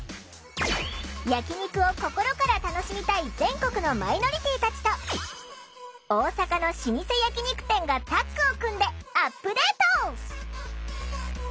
焼き肉を心から楽しみたい全国のマイノリティーたちと大阪の老舗焼き肉店がタッグを組んでアップデート！